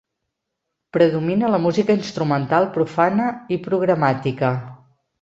Predomina la música instrumental profana i programàtica.